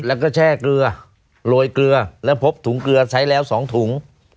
แล้วก็แช่เกลือโรยเกลือแล้วพบถุงเกลือใช้แล้ว๒ถุง